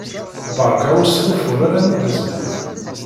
Beṛka ur sxufur ara am uḥeẓgut.